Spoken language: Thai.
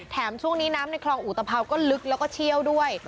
ช่วงนี้น้ำในคลองอุตภาวก็ลึกแล้วก็เชี่ยวด้วย